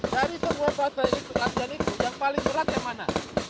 dari sebuah bahasa ikut latihan itu yang paling berat yang mana